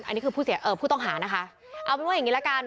อันนี้คือผู้เสียเอ่อผู้ต้องหานะคะเอาเป็นว่าอย่างงี้แล้วกัน